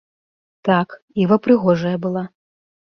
Так, іва прыгожая была.